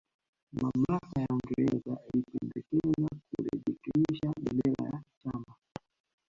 Mamlaka ya Uingereza ilipendekeza kurekebisha bendera ya chama